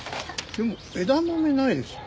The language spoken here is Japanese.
でも枝豆ないですよ。